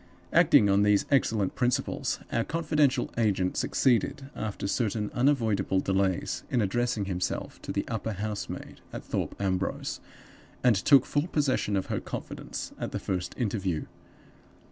Acting on these excellent principles, our confidential agent succeeded, after certain unavoidable delays, in addressing himself to the upper housemaid at Thorpe Ambrose, and took full possession of her confidence at the first interview.